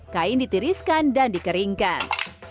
kain ditiriskan dan dikeringkan